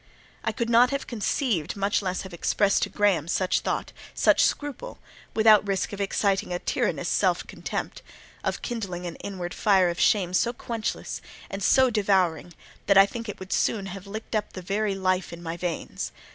I could not have conceived, much less have expressed to Graham, such thought—such scruple—without risk of exciting a tyrannous self contempt: of kindling an inward fire of shame so quenchless, and so devouring, that I think it would soon have licked up the very life in my veins.